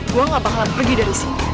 gue gak bakalan pergi dari sini